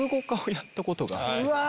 うわ！